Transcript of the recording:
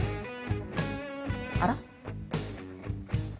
あら？